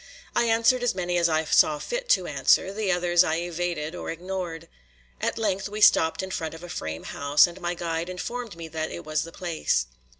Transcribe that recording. I answered as many as I saw fit to answer; the others I evaded or ignored. At length we stopped in front of a frame house, and my guide informed me that it was the place.